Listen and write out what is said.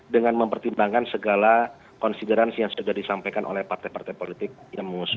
dengan mempertimbangkan segala konsideransi yang sudah disampaikan oleh partai partai politik